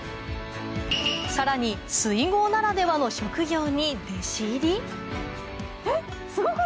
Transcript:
さらに水郷ならではの職業にえっ！